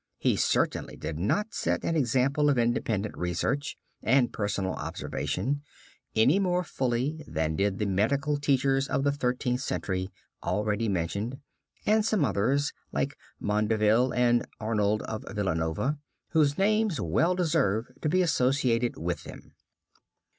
He certainly did not set an example of independent research and personal observation, any more fully, than did the medical teachers of the Thirteenth Century already mentioned, and some others, like Mondaville and Arnold of Villanova, whose names well deserve to be associated with them.